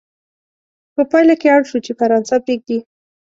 په پایله کې اړ شو چې فرانسه پرېږدي.